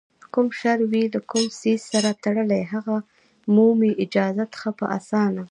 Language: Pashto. کوم شر وي له کوم څیز سره تړلی، هغه مومي اجازت ښه په اسانه